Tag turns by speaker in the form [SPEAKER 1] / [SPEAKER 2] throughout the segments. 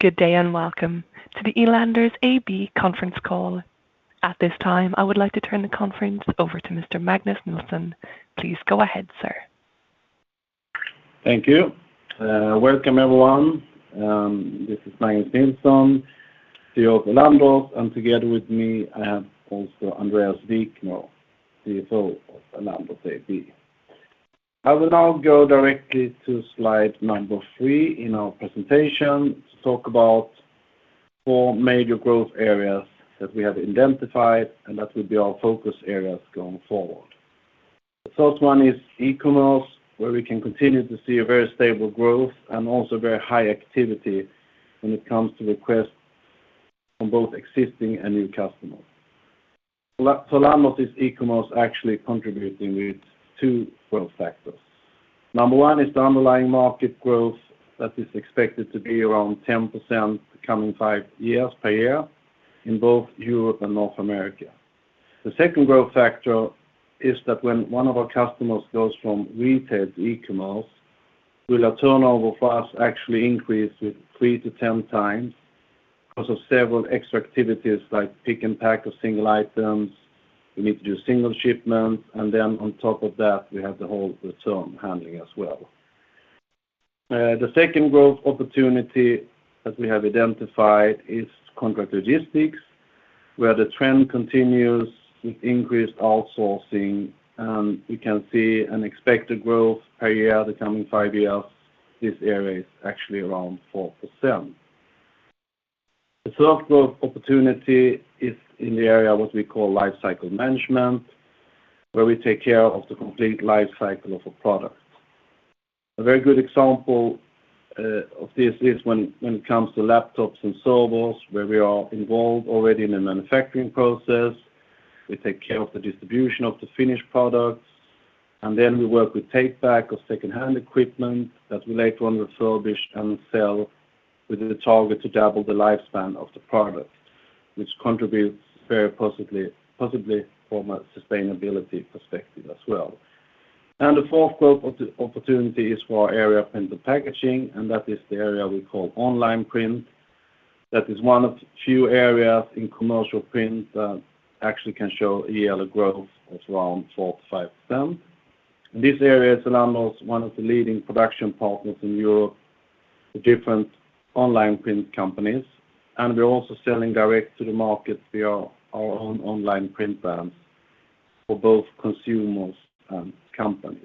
[SPEAKER 1] Good day, and welcome to the Elanders AB conference call. At this time, I would like to turn the conference over to Mr. Magnus Nilsson. Please go ahead, sir.
[SPEAKER 2] Thank you. Welcome, everyone. This is Magnus Nilsson, CEO of Elanders. Together with me, I have also Andréas Wikner, CFO of Elanders AB. I will now go directly to slide number three in our presentation to talk about four major growth areas that we have identified and that will be our focus areas going forward. The first one is e-commerce, where we can continue to see a very stable growth and also very high activity when it comes to requests from both existing and new customers. Elanders e-commerce actually contributing with two growth factors. Number one is the underlying market growth that is expected to be around 10% the coming five years per year in both Europe and North America. The second growth factor is that when one of our customers goes from retail to e-commerce, the turnover for us actually will increase with 3x-10x times because of several extra activities like pick and pack of single items. We need to do single shipments, and then on top of that, we have the whole return handling as well. The second growth opportunity that we have identified is contract logistics, where the trend continues with increased outsourcing, and we can see an expected growth per year the coming five years, this area is actually around 4%. The third growth opportunity is in the area, what we call Lifecycle Management, where we take care of the complete lifecycle of a product. A very good example of this is when it comes to laptops and servers, where we are involved already in the manufacturing process, we take care of the distribution of the finished products, and then we work with takeback of secondhand equipment that we later on refurbish and sell with the target to double the lifespan of the product, which contributes very positively from a sustainability perspective as well. The fourth growth opportunity is for our area of print and packaging, and that is the area we call online print. That is one of few areas in commercial print that actually can show a yearly growth of around 4%-5%. In this area, Elanders is one of the leading production partners in Europe for different online print companies, and we're also selling direct to the market via our own online print brands for both consumers and companies.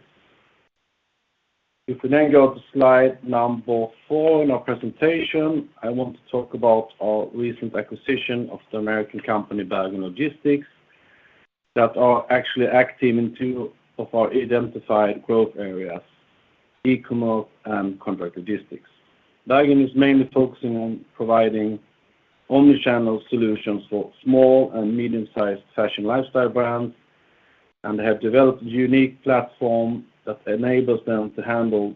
[SPEAKER 2] If we then go to slide number four in our presentation, I want to talk about our recent acquisition of the American company, Bergen Logistics, that are actually active in two of our identified growth areas, e-commerce and contract logistics. Bergen is mainly focusing on providing omnichannel solutions for small and medium-sized fashion lifestyle brands and have developed a unique platform that enables them to handle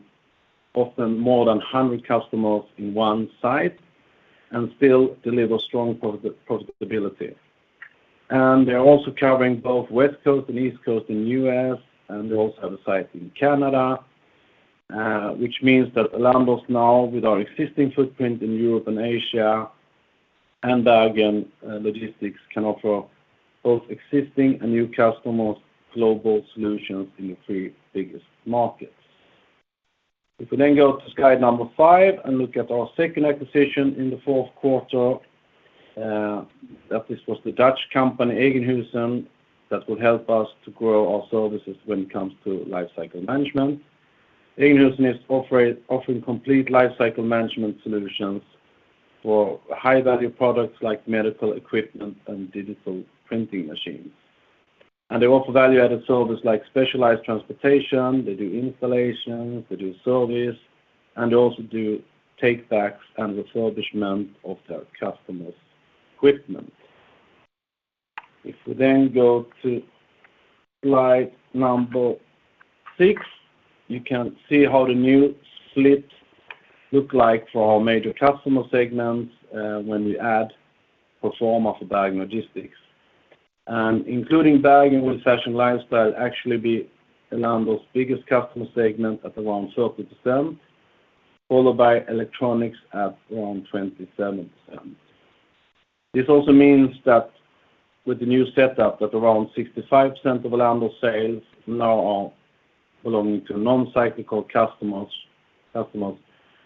[SPEAKER 2] often more than 100 customers in one site and still deliver strong profitability. They're also covering both West Coast and East Coast in U.S., and they also have a site in Canada, which means that Elanders now with our existing footprint in Europe and Asia and Bergen Logistics can offer both existing and new customers global solutions in the three biggest markets. If we then go to slide number five and look at our second acquisition in the fourth quarter, that this was the Dutch company, Eijgenhuijsen, that will help us to grow our services when it comes to Lifecycle Management. Eijgenhuijsen is offering complete Lifecycle Management solutions for high-value products like medical equipment and digital printing machines. They offer value-added service like specialized transportation, they do installations, they do service, and they also do takebacks and refurbishment of their customers' equipment. If we then go to slide 6, you can see how the new split look like for our major customer segments, when we add pro forma for Bergen Logistics. Including Bergen with Fashion & Lifestyle actually be Elanders' biggest customer segment at around 30%, followed by electronics at around 27%. This also means that with the new setup, that around 65% of Elanders' sales now are belonging to non-cyclical customers,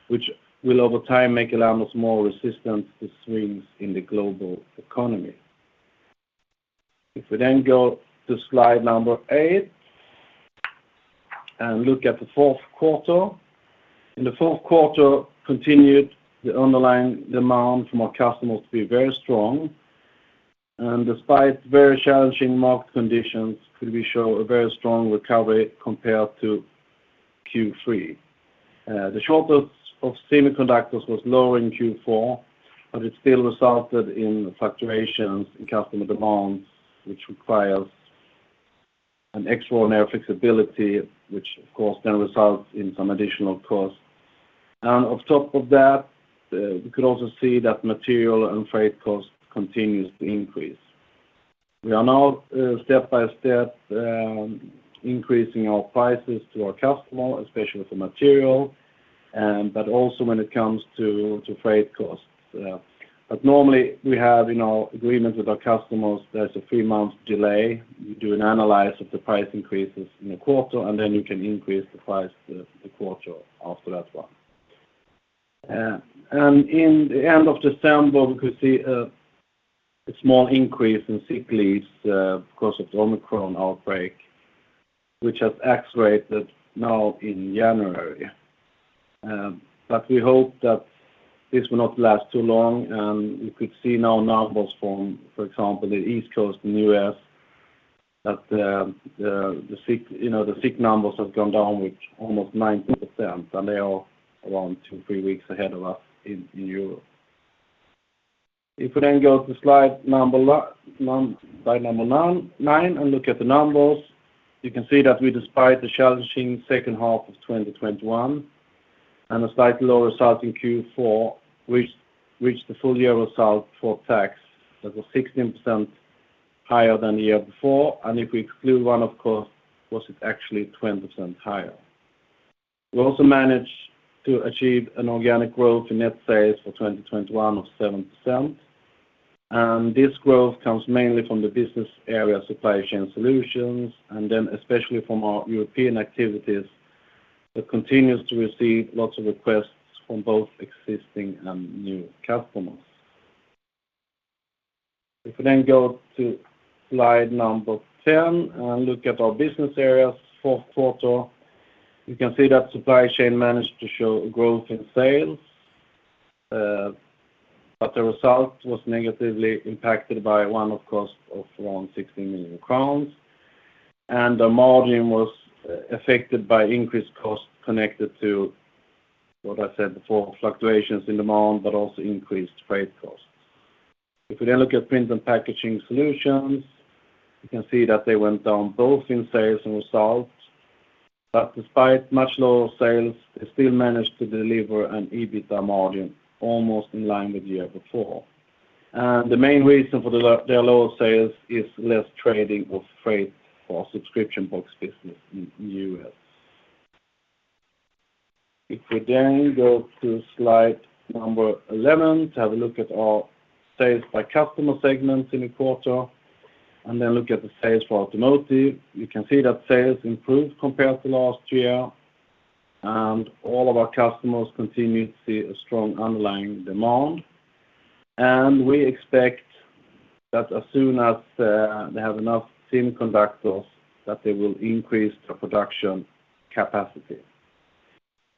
[SPEAKER 2] which will over time make Elanders more resistant to swings in the global economy. If we then go to slide 8 and look at the fourth quarter. In the Q4, continued the underlying demand from our customers to be very strong. Despite very challenging market conditions, could we show a very strong recovery compared to Q3. The shortage of semiconductors was lower in Q4, but it still resulted in fluctuations in customer demands, which requires an extraordinary flexibility, which of course then results in some additional costs. On top of that, we could also see that material and freight costs continues to increase. We are now step by step increasing our prices to our customer, especially for material, and but also when it comes to freight costs. Normally we have in our agreements with our customers, there's a three-month delay. We do an analysis of the price increases in the quarter, and then you can increase the price the quarter after that one. In the end of December, we could see a small increase in sick leaves because of Omicron outbreak, which has accelerated now in January. We hope that this will not last too long. You could see now numbers from, for example, the East Coast in the U.S. that the sick, you know, the sick numbers have gone down with almost 90%, and they are around two-three weeks ahead of us in Europe. If we go to slide number 9 and look at the numbers, you can see that we despite the challenging H2 of 2021 and a slightly lower result in Q4, reached the full year result before tax that was 16% higher than the year before. If we exclude one, of course, was it actually 20% higher. We also managed to achieve an organic growth in net sales for 2021 of 7%. This growth comes mainly from the business area Supply Chain Solutions and then especially from our European activities that continues to receive lots of requests from both existing and new customers. If we then go to slide number 10 and look at our business areas for the quarter, you can see that Supply Chain Solutions managed to show a growth in sales, but the result was negatively impacted by one-off costs of around 60 million crowns. The margin was affected by increased costs connected to what I said before, fluctuations in demand, but also increased freight costs. If we then look at Print & Packaging Solutions, you can see that they went down both in sales and results. Despite much lower sales, they still managed to deliver an EBITDA margin almost in line with the year before. The main reason for their lower sales is less trading of freight for our subscription box business in the U.S. If we then go to slide number 11 to have a look at our sales by customer segments in the quarter, and then look at the sales for automotive, you can see that sales improved compared to last year. All of our customers continue to see a strong underlying demand. We expect that as soon as they have enough semiconductors, that they will increase the production capacity.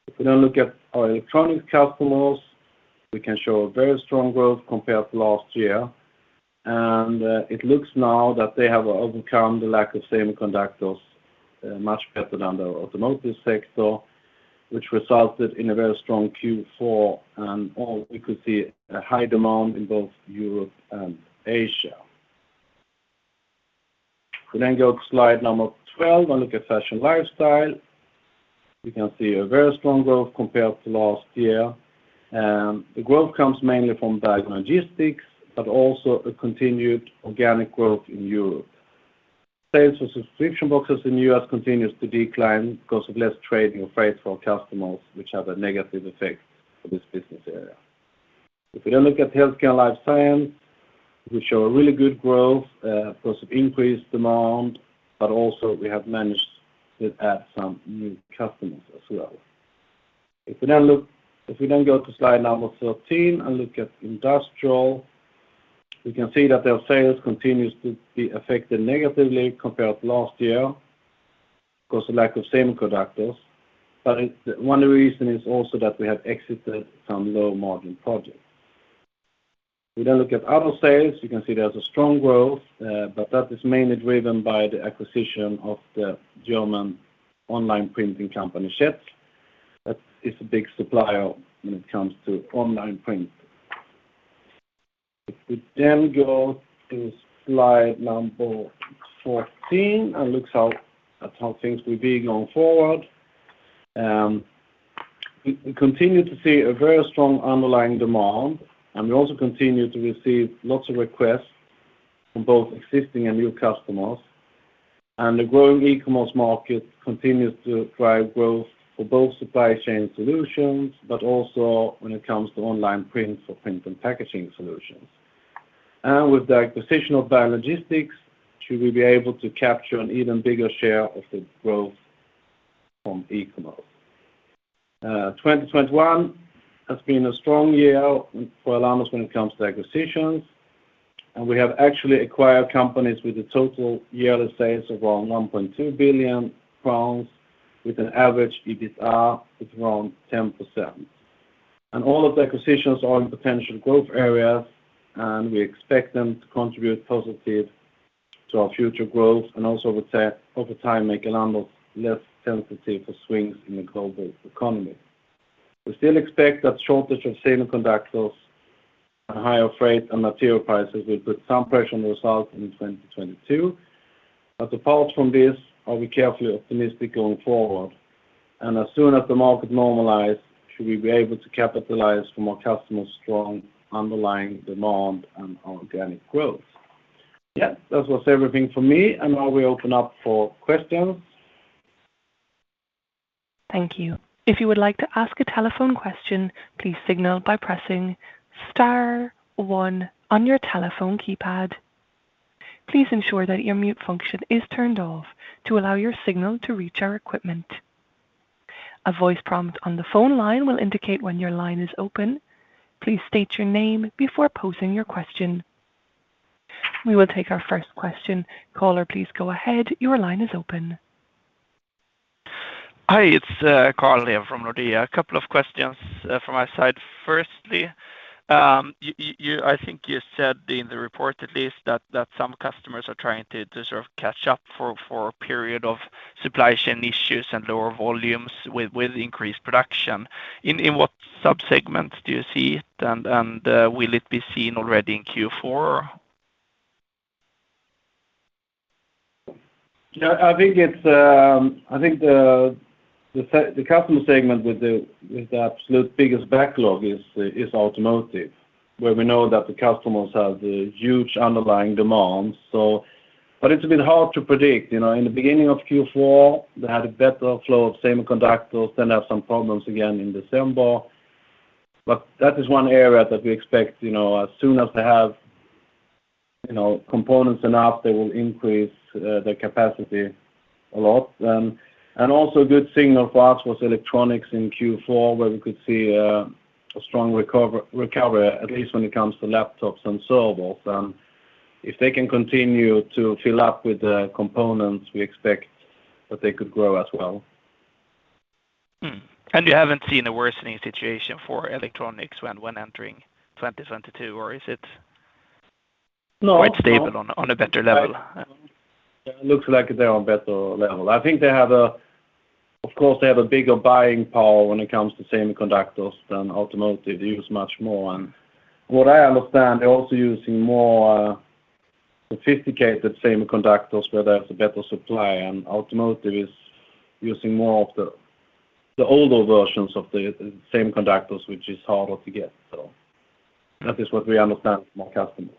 [SPEAKER 2] If we now look at our electronics customers, we can show a very strong growth compared to last year. It looks now that they have overcome the lack of semiconductors much better than the automotive sector, which resulted in a very strong Q4. All we could see a high demand in both Europe and Asia. If we then go to slide number 12 and look at Fashion & Lifestyle, we can see a very strong growth compared to last year. The growth comes mainly from Bergen Logistics, but also a continued organic growth in Europe. Sales of subscription boxes in U.S. continues to decline because of less trading of freight for our customers, which have a negative effect for this business area. If we then look at healthcare and life science, we show a really good growth, because of increased demand, but also we have managed to add some new customers as well. If we then go to slide number 13 and look at industrial, we can see that their sales continues to be affected negatively compared to last year because of lack of semiconductors. One reason is also that we have exited some low margin projects. If we then look at other sales, you can see there's a strong growth, but that is mainly driven by the acquisition of the German online printing company Schätzl. That is a big supplier when it comes to online print. If we then go to slide number 14 and look at how things will be going forward, we continue to see a very strong underlying demand, and we also continue to receive lots of requests from both existing and new customers. The growing e-commerce market continues to drive growth for both Supply Chain Solutions, but also when it comes to online print for Print & Packaging Solutions. With the acquisition of Bergen Logistics, we should be able to capture an even bigger share of the growth from e-commerce. 2021 has been a strong year for Elanders when it comes to acquisitions, and we have actually acquired companies with a total yearly sales of around SEK 1.2 billion with an average EBITA of around 10%. All of the acquisitions are in potential growth areas, and we expect them to contribute positive to our future growth and also over time, make Elanders less sensitive for swings in the global economy. We still expect that shortage of semiconductors and higher freight and material prices will put some pressure on results in 2022. Apart from this, we are carefully optimistic going forward. As soon as the market normalizes, we should be able to capitalize from our customers' strong underlying demand and organic growth. That was everything for me, and now we open up for questions.
[SPEAKER 1] Thank you. If you would like to ask a telephone question, please signal by pressing star one on your telephone keypad. Please ensure that your mute function is turned off to allow your signal to reach our equipment. A voice prompt on the phone line will indicate when your line is open. Please state your name before posing your question. We will take our first question. Caller, please go ahead. Your line is open.
[SPEAKER 3] Hi, it's Carl here from Nordea. A couple of questions from my side. Firstly, I think you said in the report at least that some customers are trying to sort of catch up for a period of supply chain issues and lower volumes with increased production. In what sub-segments do you see it, and will it be seen already in Q4?
[SPEAKER 2] I think the customer segment with the absolute biggest backlog is automotive, where we know that the customers have the huge underlying demand. It's been hard to predict. You know, in the beginning of Q4, they had a better flow of semiconductors, then had some problems again in December. That is one area that we expect, you know, as soon as they have, you know, components enough, they will increase the capacity a lot. And also good signal for us was electronics in Q4, where we could see a strong recovery, at least when it comes to laptops and servers. If they can continue to fill up with the components, we expect that they could grow as well.
[SPEAKER 3] You haven't seen a worsening situation for electronics when entering 2022, or is it-
[SPEAKER 2] No.
[SPEAKER 3] Quite stable on a better level?
[SPEAKER 2] It looks like they're on better level. I think they have a. Of course, they have a bigger buying power when it comes to semiconductors than automotive. They use much more. What I understand, they're also using more, sophisticated semiconductors where they have a better supply, and automotive is using more of the older versions of the semiconductors, which is harder to get. That is what we understand from our customers,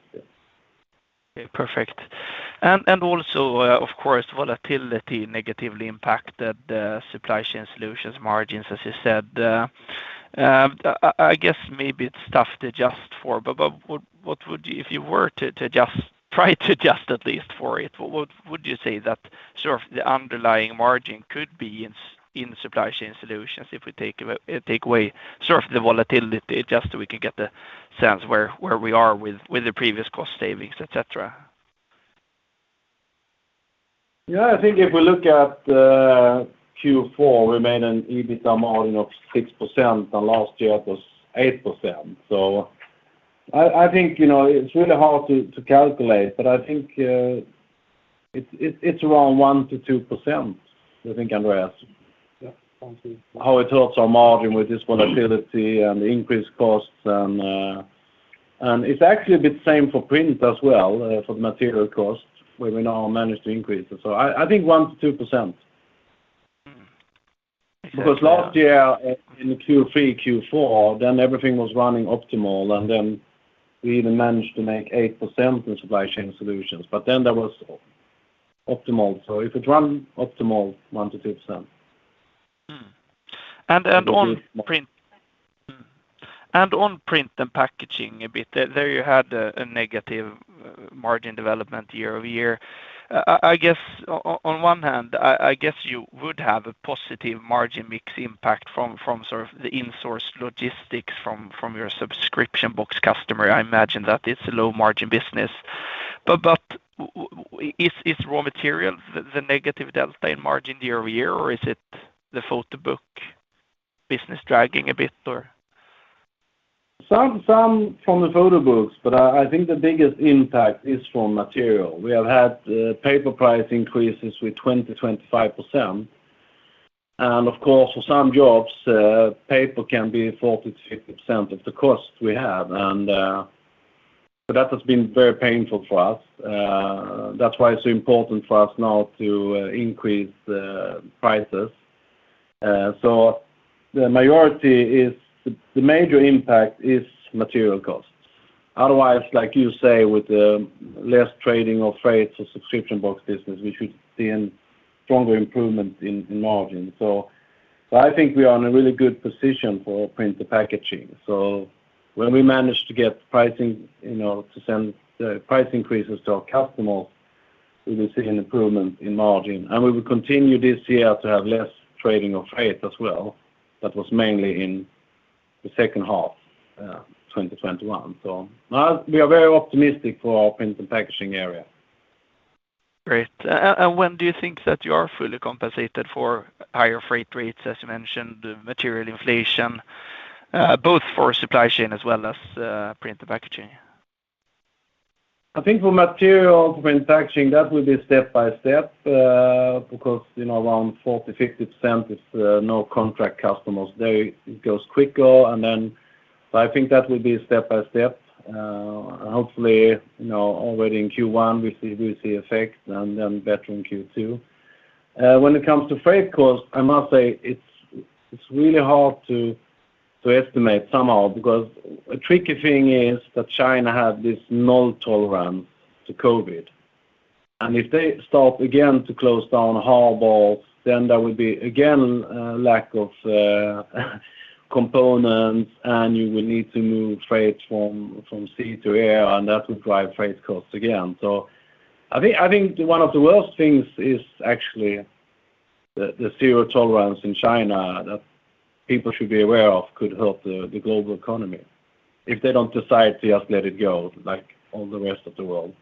[SPEAKER 2] yes.
[SPEAKER 3] Okay, perfect. Also, of course, volatility negatively impacted the Supply Chain Solutions margins, as you said. I guess maybe it's tough to adjust for, but what would you say if you were to try to adjust at least for it? What would you say that sort of the underlying margin could be in Supply Chain Solutions if we take away sort of the volatility, just so we can get the sense where we are with the previous cost savings, et cetera?
[SPEAKER 2] Yeah, I think if we look at Q4, we made an EBITDA margin of 6%, and last year it was 8%. I think, you know, it's really hard to calculate, but I think it's around 1%-2%. Do you think, Andréas?
[SPEAKER 4] Yeah. one, two.
[SPEAKER 2] How it hurts our margin with this volatility and increased costs and it's actually a bit same for print as well, for the material costs, where we now manage to increase. I think 1%-2%.
[SPEAKER 3] Mm.
[SPEAKER 2] Because last year in Q3, Q4, then everything was running optimal, and then we even managed to make 8% in Supply Chain Solutions. That was optimal. If it run optimal, 1%-2%.
[SPEAKER 3] Mm. And, and on print-
[SPEAKER 2] Maybe more.
[SPEAKER 3] On Print and Packaging a bit, there you had a negative margin development year-over-year. I guess on one hand, I guess you would have a positive margin mix impact from sort of the insourced logistics from your subscription box customer. I imagine that it's a low-margin business. Is raw material the negative delta in margin year-over-year, or is it the photo book business dragging a bit or?
[SPEAKER 2] Some from the photo books, but I think the biggest impact is from material. We have had paper price increases with 20%-25%. Of course, for some jobs, paper can be 40%-50% of the cost we have. That has been very painful for us. That's why it's important for us now to increase the prices. The majority, the major impact, is material costs. Otherwise, like you say, with the lower freight costs or subscription box business, we should see a stronger improvement in margin. I think we are in a really good position for Print & Packaging. When we manage to get pricing, you know, to send price increases to our customers, we will see an improvement in margin. We will continue this year to have less trading of freight as well. That was mainly in the second half, 2021. Now we are very optimistic for our Print & Packaging area.
[SPEAKER 3] Great. When do you think that you are fully compensated for higher freight rates, as you mentioned, the material inflation, both for supply chain as well as print and packaging?
[SPEAKER 2] I think for material, for packaging, that will be step by step. Because, you know, around 40%-50% is no contract customers. They go quicker and then, I think that will be step by step. Hopefully, you know, already in Q1 we see effects and then better in Q2. When it comes to freight cost, I must say it's really hard to estimate somehow because a tricky thing is that China have this zero tolerance to COVID. If they start again to close down harbors, then there will be again lack of components and you will need to move freight from sea to air, and that will drive freight costs again. I think one of the worst things is actually the zero tolerance in China that people should be aware of could hurt the global economy. If they don't decide to just let it go like all the rest of the world.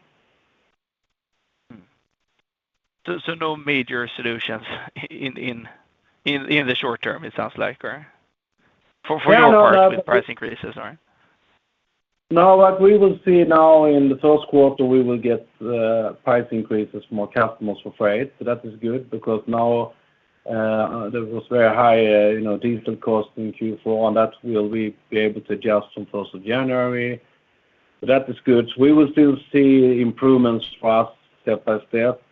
[SPEAKER 3] No major solutions in the short term, it sounds like, right?
[SPEAKER 2] Yeah, no, but we-
[SPEAKER 3] For your part with price increases, right?
[SPEAKER 2] No, but we will see now in the Q1, we will get price increases from more customers for freight. That is good because now there was very high, you know, diesel costs in Q4, and that will be able to adjust from first of January. That is good. We will still see improvements for us step by step.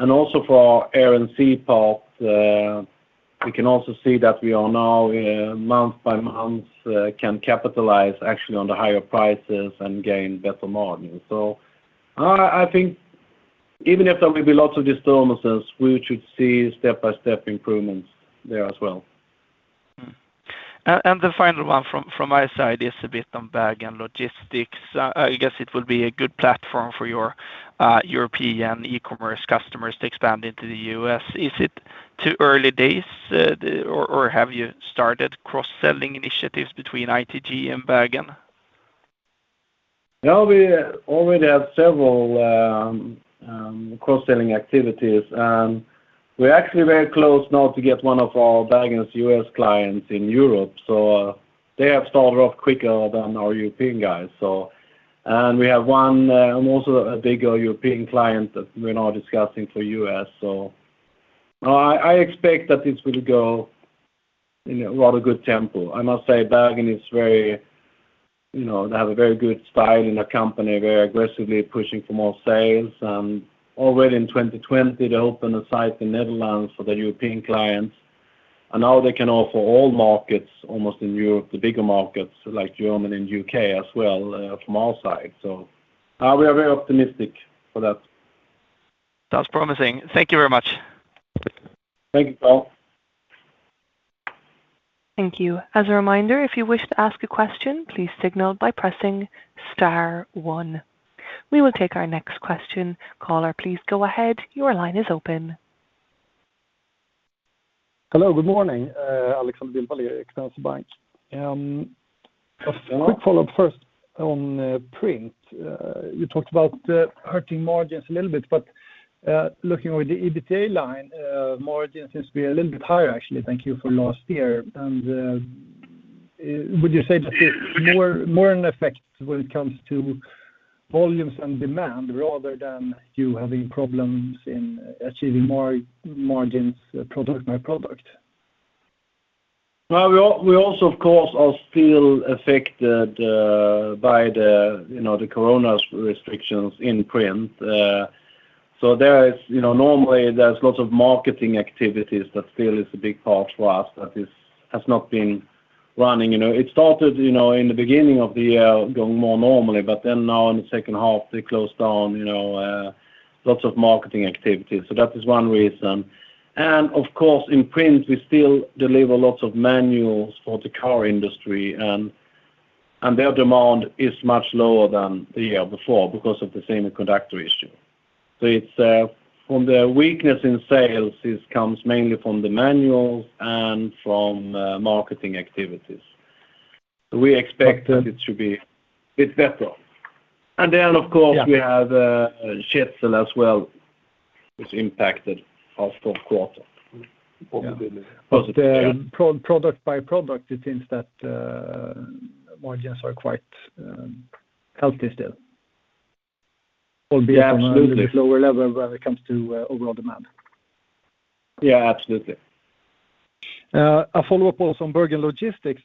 [SPEAKER 2] Also for our air and sea part, we can also see that we are now month by month can capitalize actually on the higher prices and gain better margin. I think even if there will be lots of disturbances, we should see step-by-step improvements there as well.
[SPEAKER 3] The final one from my side is a bit on Bergen Logistics. I guess it will be a good platform for your European e-commerce customers to expand into the U.S. Is it too early days, or have you started cross-selling initiatives between ITG and Bergen?
[SPEAKER 2] No, we already have several cross-selling activities. We're actually very close now to get one of our Bergen's U.S. clients in Europe. They have started off quicker than our European guys. We have one and also a bigger European client that we're now discussing for U.S. I expect that this will go in a rather good tempo. I must say Bergen is very, you know, they have a very good style in their company, very aggressively pushing for more sales. Already in 2020, they opened a site in Netherlands for their European clients. Now they can offer all markets almost in Europe, the bigger markets like Germany and U.K. as well from our side. We are very optimistic for that.
[SPEAKER 3] Sounds promising. Thank you very much.
[SPEAKER 2] Thank you, Carl.
[SPEAKER 1] Thank you. As a reminder, if you wish to ask a question, please signal by pressing star one. We will take our next question. Caller, please go ahead. Your line is open.
[SPEAKER 5] Hello, good morning, Markus Almerud.
[SPEAKER 2] Hello.
[SPEAKER 5] Quick follow-up first on print. You talked about hurting margins a little bit, but looking over the EBITDA line, margin seems to be a little bit higher actually than last year. Would you say that it's more an effect when it comes to volumes and demand rather than you having problems in achieving margins product by product?
[SPEAKER 2] Well, we also of course are still affected by the, you know, the corona restrictions in print. So there is, you know, normally there's lots of marketing activities that still is a big part for us that has not been running. You know, it started, you know, in the beginning of the year going more normally, but then now in the H2 they closed down, you know, lots of marketing activities. So that is one reason. Of course in print we still deliver lots of manuals for the car industry and their demand is much lower than the year before because of the semiconductor issue. So it's from the weakness in sales, it comes mainly from the manuals and from marketing activities. We expect that it should be bit better. Then of course
[SPEAKER 5] Yeah.
[SPEAKER 2] We have shipping as well is impacted our Q4.
[SPEAKER 5] Yeah.
[SPEAKER 2] Positively.
[SPEAKER 5] Product by product, it seems that margins are quite healthy still.
[SPEAKER 2] Absolutely.
[SPEAKER 5] Albeit on a little bit lower level when it comes to overall demand.
[SPEAKER 2] Yeah, absolutely.
[SPEAKER 5] A follow-up also on Bergen Logistics.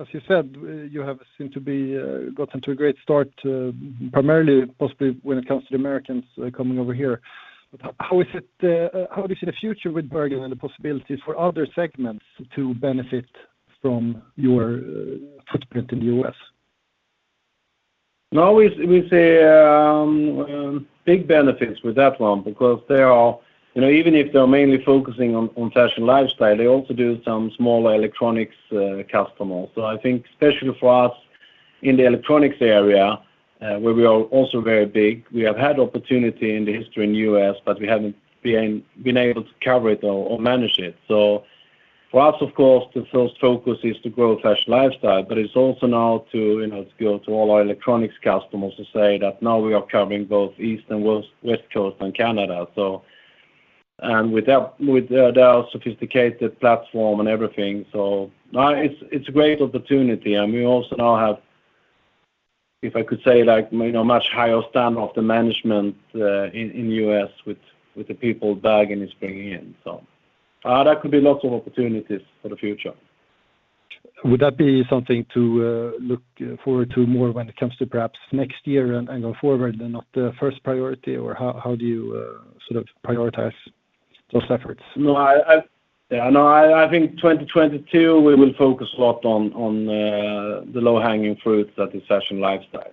[SPEAKER 5] As you said, you have seemed to be gotten to a great start, primarily possibly when it comes to the Americans coming over here. How is it, how do you see the future with Bergen and the possibilities for other segments to benefit from your footprint in the U.S.?
[SPEAKER 2] No, we see big benefits with that one because they are, you know, even if they're mainly focusing on fashion and lifestyle, they also do some small electronics customer. So I think especially for us in the electronics area, where we are also very big. We have had opportunity in the history in U.S., but we haven't been able to cover it or manage it. So for us of course the first focus is to grow fashion and lifestyle, but it's also now to, you know, go to all our electronics customers to say that now we are covering both East and West Coast and Canada. So, with that, with their sophisticated platform and everything. Now it's a great opportunity, and we also now have. If I could say, like, you know, much higher standard of the management in U.S. with the people Bergen is bringing in. There could be lots of opportunities for the future.
[SPEAKER 5] Would that be something to look forward to more when it comes to perhaps next year and go forward and not the first priority, or how do you sort of prioritize those efforts?
[SPEAKER 2] No. I think 2022 we will focus a lot on the low-hanging fruits that is Fashion & Lifestyle.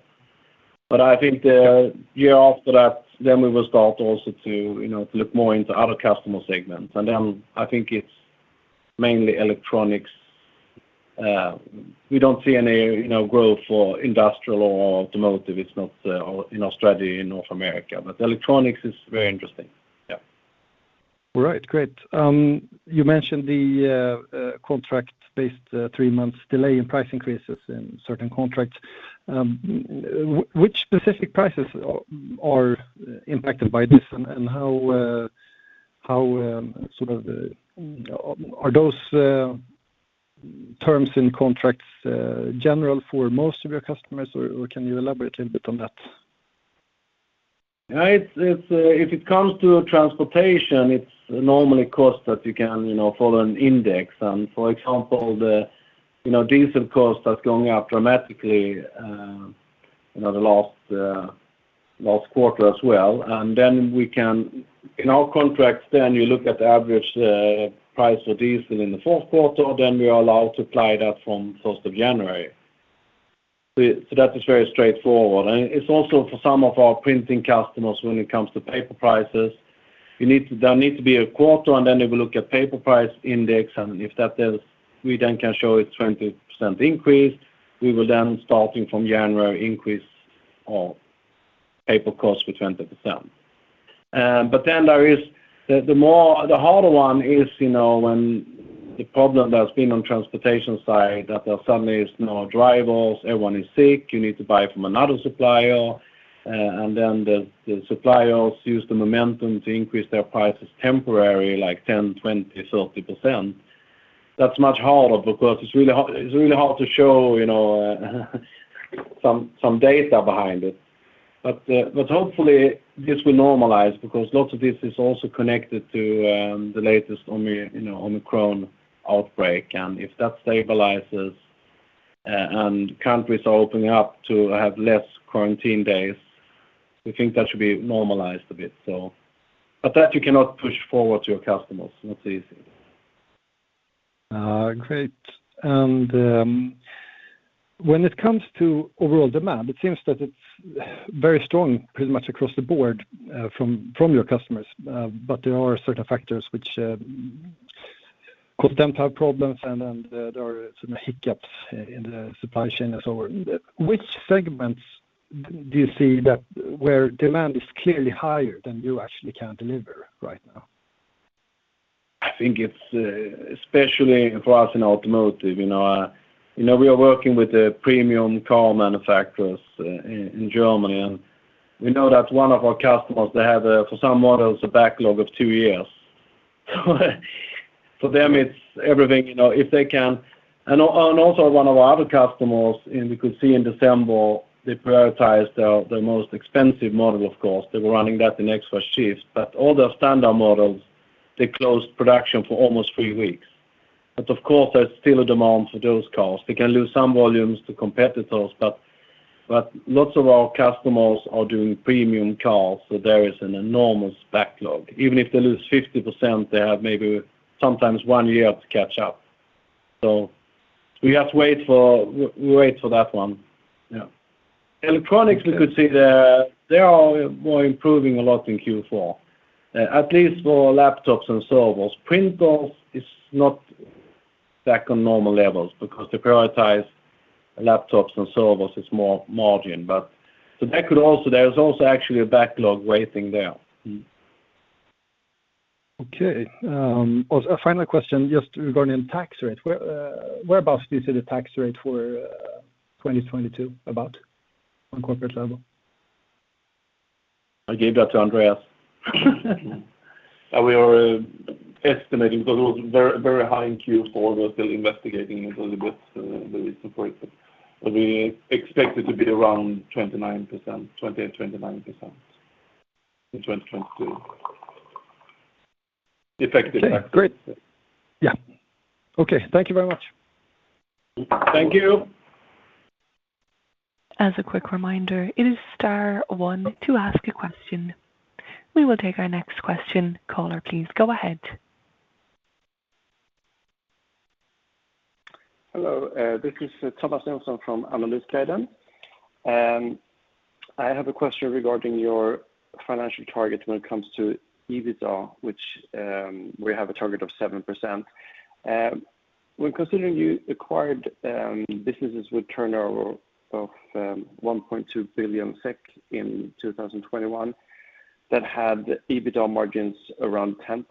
[SPEAKER 2] I think the year after that we will start also to you know to look more into other customer segments. I think it's mainly electronics. We don't see any you know growth for industrial or automotive. It's not in our strategy in North America, but electronics is very interesting.
[SPEAKER 5] All right. Great. You mentioned the contract-based three months delay in price increases in certain contracts. Which specific prices are impacted by this, and how are those terms in contracts general for most of your customers, or can you elaborate a little bit on that?
[SPEAKER 2] Yeah. It's if it comes to transportation, it's normally cost that you can, you know, follow an index. For example, you know, the diesel cost that's going up dramatically, you know, the last quarter as well. In our contracts you look at the average price of diesel in the fourth quarter, then we are allowed to apply that from first of January. That is very straightforward. It's also for some of our printing customers when it comes to paper prices. There need to be a quarter, and then they will look at paper price index, and if that we can show it 20% increase, we will then, starting from January, increase our paper cost with 20%. Then there is the more. The harder one is, you know, when the problem that's been on transportation side, that there suddenly is no drivers, everyone is sick, you need to buy from another supplier, and then the suppliers use the momentum to increase their prices temporarily, like 10, 20, 30%. That's much harder because it's really hard to show, you know, some data behind it. Hopefully this will normalize because lots of this is also connected to the latest Omicron outbreak. If that stabilizes and countries are opening up to have less quarantine days, we think that should be normalized a bit. That you cannot push forward to your customers. Not easy.
[SPEAKER 5] Great. When it comes to overall demand, it seems that it's very strong pretty much across the board from your customers. There are certain factors which cause them to have problems and there are some hiccups in the supply chain and so on. Which segments do you see that where demand is clearly higher than you actually can deliver right now?
[SPEAKER 2] I think it's especially for us in automotive. You know, we are working with the premium car manufacturers in Germany, and we know that one of our customers, they have a, for some models, a backlog of two years. For them it's everything, you know, if they can. Also one of our other customers, and we could see in December, they prioritized their most expensive model, of course. They were running that in extra shifts. All their standard models, they closed production for almost three weeks. Of course, there's still a demand for those cars. They can lose some volumes to competitors, but lots of our customers are doing premium cars, so there is an enormous backlog. Even if they lose 50%, they have maybe sometimes one year to catch up. We have to wait for that one. Yeah. Electronics, we could see they are more improving a lot in Q4, at least for laptops and servers. Printers is not back on normal levels because they prioritize laptops and servers. It's more margin, but that could also. There's actually a backlog waiting there.
[SPEAKER 5] Okay. Also a final question, just regarding tax rate. Whereabouts do you see the tax rate for 2022 about on corporate level?
[SPEAKER 2] I gave that to Andréas.
[SPEAKER 4] We are estimating because it was very, very high in Q4. We're still investigating it a little bit, the reason for it, but we expect it to be around 29%, 20%-29% in 2022. Effective tax rate.
[SPEAKER 5] Okay. Great. Yeah. Okay. Thank you very much.
[SPEAKER 2] Thank you.
[SPEAKER 1] As a quick reminder, it is star one to ask a question. We will take our next question. Caller, please go ahead.
[SPEAKER 6] Hello. This is Mikael Danielsson from Brejn. I have a question regarding your financial targets when it comes to EBITDA, which we have a target of 7%. When considering you acquired businesses with turnover of 1.2 billion SEK in 2021, that had EBITDA margins around 10%.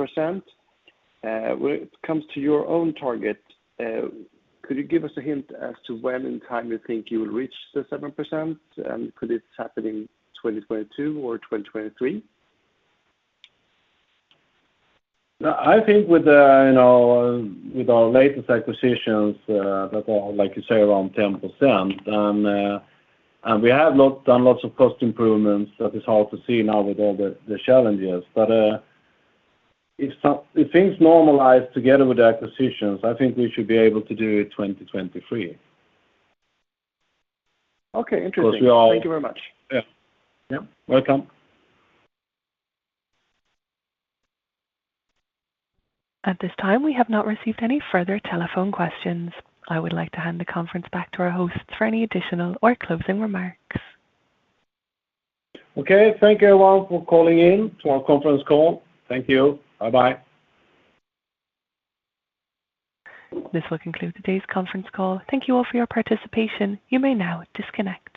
[SPEAKER 6] When it comes to your own target, could you give us a hint as to when in time you think you will reach the 7%? Could this happen in 2022 or 2023?
[SPEAKER 2] I think with, you know, with our latest acquisitions that are, like you say, around 10%, and we have done lots of cost improvements, that is hard to see now with all the challenges. If things normalize together with the acquisitions, I think we should be able to do it 2023.
[SPEAKER 6] Okay. Interesting.
[SPEAKER 2] Of course we are.
[SPEAKER 6] Thank you very much.
[SPEAKER 2] Yeah.
[SPEAKER 6] Yeah.
[SPEAKER 2] Welcome.
[SPEAKER 1] At this time, we have not received any further telephone questions. I would like to hand the conference back to our hosts for any additional or closing remarks.
[SPEAKER 2] Okay. Thank you everyone for calling in to our conference call. Thank you. Bye-bye.
[SPEAKER 1] This will conclude today's conference call. Thank you all for your participation. You may now disconnect.